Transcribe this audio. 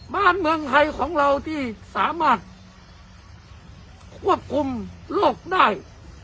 บ้านเมืองไทยของเราที่สามารถควบคุมโรคได้